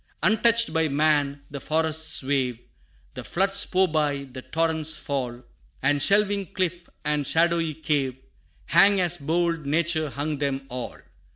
Untouched by man, the forests wave, The floods pour by, the torrents fall, And shelving cliff and shadowy cave, Hang as bold nature hung them all!